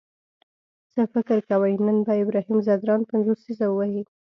څه فکر کوئ نن به ابراهیم ځدراڼ پنځوسیزه ووهي؟